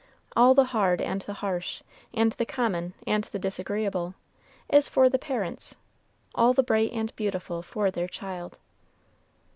All the hard and the harsh, and the common and the disagreeable, is for the parents, all the bright and beautiful for their child.